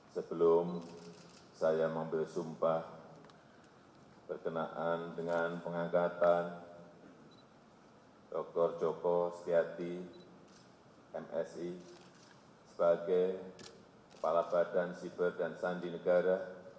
sebelum saya mengambil sumpah berkenaan dengan pengangkatan dr joko setiati msi sebagai kepala badan siber dan sandi negara